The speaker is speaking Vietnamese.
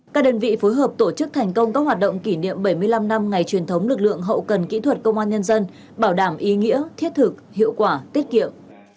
các đơn vị phối hợp tổ chức thành công các hoạt động kỷ niệm bảy mươi năm năm ngày truyền thống lực lượng hậu cần kỹ thuật công an nhân dân bảo đảm ý nghĩa thiết thực hiệu quả tiết kiệm